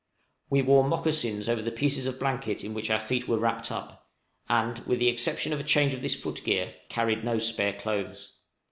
We wore mocassins over the pieces of blanket in which our feet were wrapped up, and, with the exception of a change of this foot gear, carried no spare clothes.